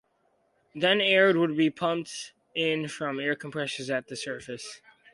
Then air would be pumped in from air compressors at the surface.